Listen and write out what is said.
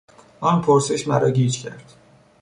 آن پرسش مرا گیج کرد.